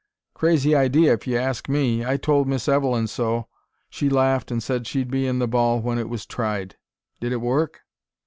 "Crazy idea, if you ask me. I told Miss Evelyn so. She laughed and said she'd be in the ball when it was tried. Did it work?"